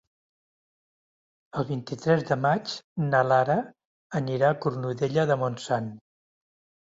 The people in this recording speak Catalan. El vint-i-tres de maig na Lara anirà a Cornudella de Montsant.